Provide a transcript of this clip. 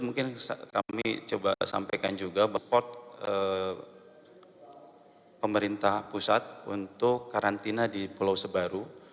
mungkin kami coba sampaikan juga bepot pemerintah pusat untuk karantina di pulau sebaru